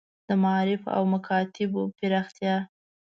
د معارف او مکاتیبو پراختیا.